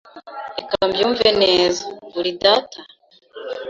Reka mbyumve neza. Uri data?